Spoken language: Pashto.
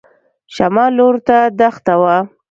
شمال لور ته دښته وه.